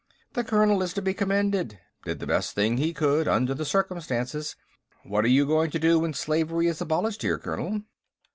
"The colonel is to be commended; did the best thing he could, under the circumstances. What are you going to do when slavery is abolished here, Colonel?"